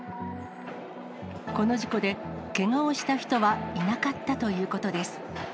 この事故で、けがをした人はいなかったということです。